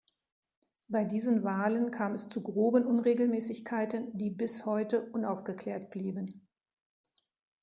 Bei diesen Wahlen kam es zu groben Unregelmäßigkeiten, die bis heute unaufgeklärt blieben.